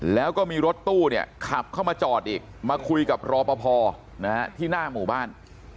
แล้วก็มีรถตู้เนี่ยขับเข้ามาจอดอีกมาคุยกับรอปภที่หน้าหมู่บ้าน